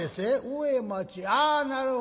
「上町ああなるほど。